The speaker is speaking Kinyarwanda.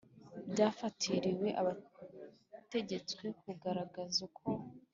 byafatiriwe ategetswe kugaragaza uko